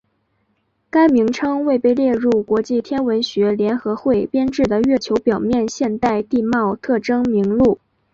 该名称未被列入国际天文学联合会编制的月球表面现代地貌特征名录。